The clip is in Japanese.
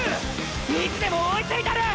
意地でも追いついたる！！